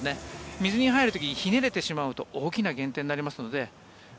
水に入る時にひねれてしまうと大きな減点になりますので。